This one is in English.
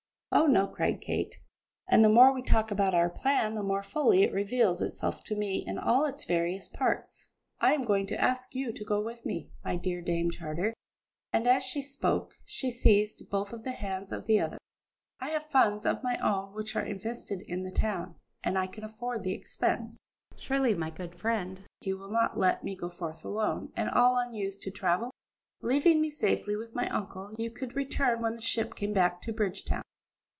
"Oh, no!" cried Kate; "and the more we talk about our plan the more fully it reveals itself to me in all its various parts. I am going to ask you to go with me, my dear Dame Charter," and as she spoke she seized both of the hands of the other. "I have funds of my own which are invested in the town, and I can afford the expense. Surely, my good friend, you will not let me go forth alone, and all unused to travel? Leaving me safely with my uncle, you could return when the ship came back to Bridgetown."